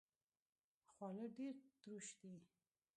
خواړه ډیر تروش دي